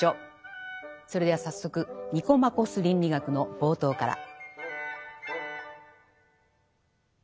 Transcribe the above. それでは早速「ニコマコス倫理学」の冒頭から。